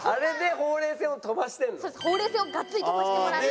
ほうれい線をがっつり飛ばしてもらって。